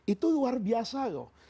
itu luar biasa loh